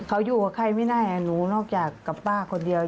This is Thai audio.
เขาอยู่กับใครไม่ได้หนูนอกจากกับป้าคนเดียว